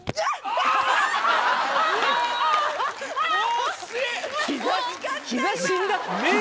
惜しい！